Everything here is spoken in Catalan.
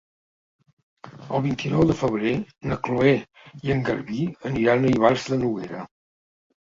El vint-i-nou de febrer na Cloè i en Garbí aniran a Ivars de Noguera.